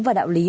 và đạo lý